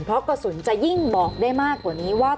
เพราะกระสุนจะยิ่งบอกได้มากกว่านี้ว่า